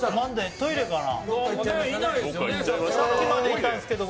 トイレかな？